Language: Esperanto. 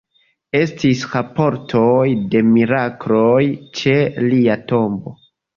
Estis raportoj de mirakloj ĉe lia tombo.